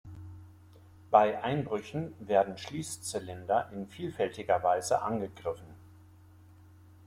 Bei Einbrüchen werden Schließzylinder in vielfältiger Weise angegriffen.